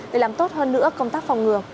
để làm tốt hơn nữa công tác phòng ngừa